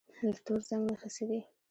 د تور زنګ نښې څه دي؟